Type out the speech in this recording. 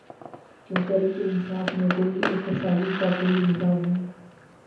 کیا تحریک انصاف میں خود احتسابی کا کوئی نظام ہے؟